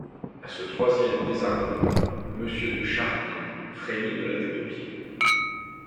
A ce troisième désarmement, Monsieur de Charny frémit de la tête aux pieds.